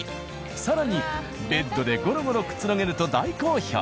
更にベッドでゴロゴロくつろげると大好評。